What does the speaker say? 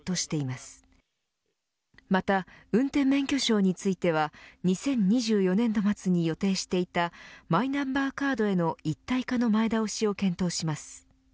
また運転免許証については２０２４年度末に予定していたマイナンバーカードへの一体化の前倒しを検討します。